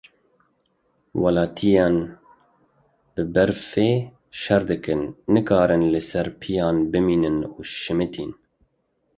Welatiyên bi berfê şer dikin, nekarin li ser pêyan bimînin û şemitîn.